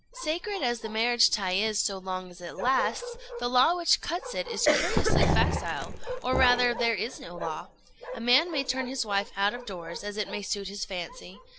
Sacred as the marriage tie is so long as it lasts, the law which cuts it is curiously facile, or rather there is no law: a man may turn his wife out of doors, as it may suit his fancy.